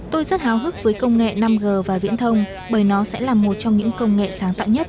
tôi rất hào hức với công nghệ năm g và viễn thông bởi nó sẽ là một trong những công nghệ sáng tạo nhất